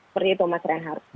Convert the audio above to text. seperti itu mas renhat